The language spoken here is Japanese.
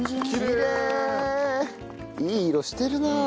いい色してるなあ。